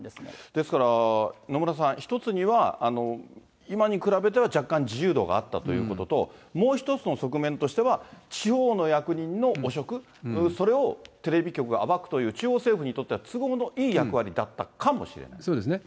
ですから、野村さん、１つには今に比べたら若干自由度があったということと、もう一つの側面としては、地方の役人の汚職、それをテレビ局が暴くという中央政府にとっては都合のいい役割だそうですね。